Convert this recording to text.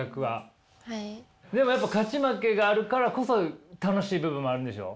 でもやっぱ勝ち負けがあるからこそ楽しい部分もあるんでしょう？